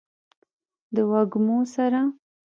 د وږمو سره